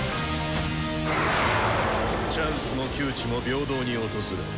チャンスも窮地も平等に訪れ